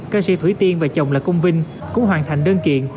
ca sĩ thủy tiên và chồng là công vinh cũng hoàn thành đơn kiện